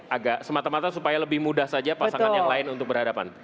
agak semata mata supaya lebih mudah saja pasangan yang lain untuk berhadapan